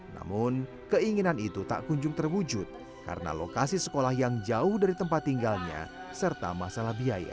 namun keinginan itu tak kunjung terwujud karena lokasi sekolah yang jauh dari tempat tinggalnya serta masalah biaya